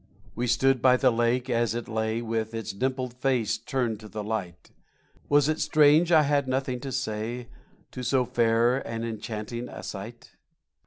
We stood by the lake as it lay With its dimpled face turned to the light; Was it strange I had nothing to say To so fair and enchanting a sight?